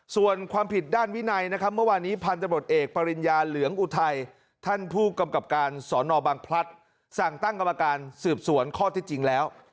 ส่วนความผิดด้านวินัยนะครับเมื่อวานนี้พันธบทเอกปริญญาเหลืองอุทัยท่านผู้กำกับการสอนอบังพลัดสั่งตั้งกรรมการสืบสวนข้อที่จริงแล้ว